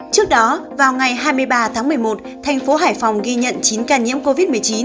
trước đó vào ngày hai mươi ba tháng một mươi một thành phố hải phòng ghi nhận chín ca nhiễm covid một mươi chín